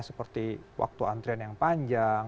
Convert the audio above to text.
seperti waktu antrian yang panjang